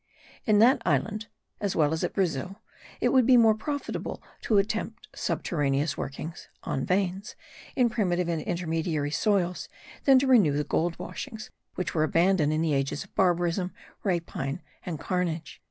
In that island, as well as at Brazil, it would be more profitable to attempt subterraneous workings (on veins) in primitive and intermediary soils than to renew the gold washings which were abandoned in the ages of barbarism, rapine and carnage.)